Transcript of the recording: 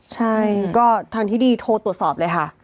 ใช่ก็ทางที่ดีโทรตรวจสอบเลยค่ะ